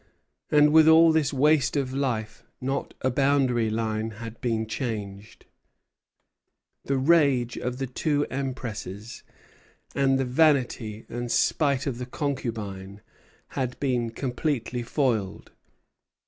And with all this waste of life not a boundary line had been changed. The rage of the two empresses and the vanity and spite of the concubine had been completely foiled.